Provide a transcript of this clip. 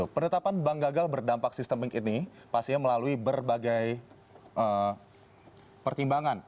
penetapan bank gagal berdampak sistemik ini pastinya melalui berbagai pertimbangan